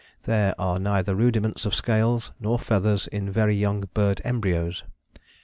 There are neither rudiments of scales nor feathers in very young bird embryos.